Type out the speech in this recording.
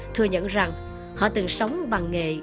thừa nhận rằng họ từng sống bằng nghề chăn trâu mướn